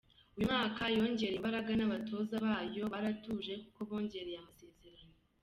Uyu mwaka yongereye imbaraga n’abatoza bayo baratuje kuko bongereye amasezerano.